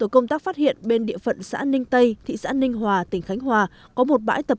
công tác phát hiện bên địa phận xã ninh tây thị xã ninh hòa tỉnh khánh hòa có một bãi tập